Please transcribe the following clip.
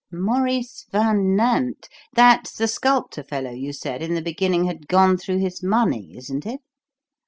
"Maurice Van Nant? That's the sculptor fellow you said in the beginning had gone through his money, isn't it?"